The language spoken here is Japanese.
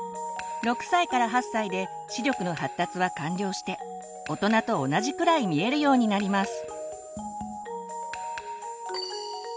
６歳から８歳で視力の発達は完了して大人と同じくらい見えるようになります。